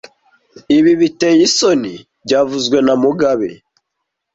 Ibi biteye isoni byavuzwe na mugabe